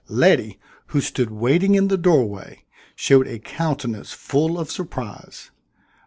Letty, who stood waiting in the doorway, showed a countenance full of surprise.